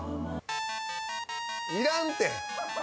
いらんて！